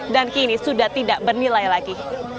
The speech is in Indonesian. dan kini sudah tidak bernilai lagi